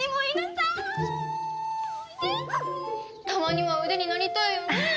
たまには腕になりたいよねえ？